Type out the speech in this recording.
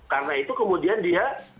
karena itu kemudian dia